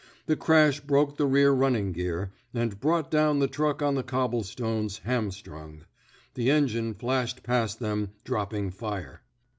The crash broke the rear running gear, and brought down the truck on the cobblestones, hamstrung. The engine flashed past them, dropping fire.